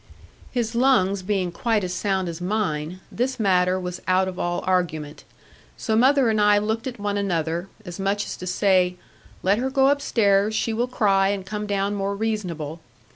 His lungs being quite as sound as mine, this matter was out of all argument; so mother and I looked at one another, as much as to say, 'let her go upstairs, she will cry and come down more reasonable.'